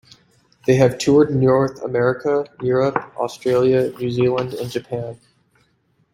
They have toured North America, Europe, Australia, New Zealand and Japan.